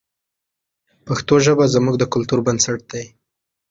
پښتو ژبه زموږ د کلتور بنسټ دی.